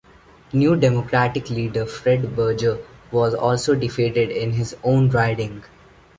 New Democratic leader Fred Berger was also defeated in his own riding.